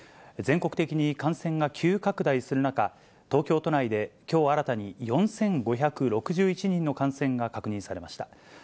全国的に感染が急拡大する中、東京都内で、きょう新たに４５６１人の感染が確認されました。